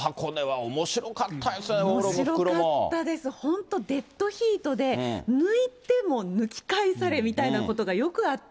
おもしろかったですね、本当、デッドヒートで、抜いても抜き返されみたいなことがよくあって。